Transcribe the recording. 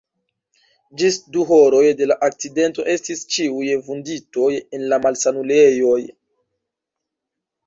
Ĝis du horoj de la akcidento estis ĉiuj vunditoj en la malsanulejoj.